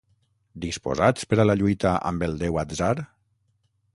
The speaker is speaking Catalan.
Disposats per a la lluita amb el déu Atzar?